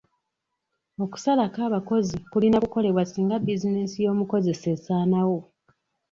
Okusalako abakozi kulina kukolebwa singa bizinensi y'omukozesa esaanawo.